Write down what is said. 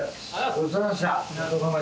ごちそうさまでした。